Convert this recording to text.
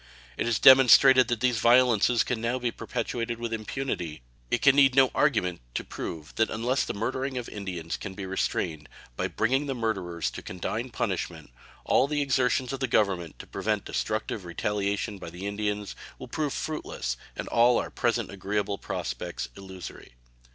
It is demonstrated that these violences can now be perpetrated with impunity, and it can need no argument to prove that unless the murdering of Indians can be restrained by bringing the murderers to condign punishment, all the exertions of the Government to prevent destructive retaliations by the Indians will prove fruitless and all our present agreeable prospects illusory.